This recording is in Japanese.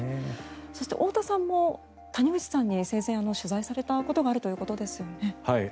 そして太田さんも谷口さんに生前取材されたことがあるということですよね。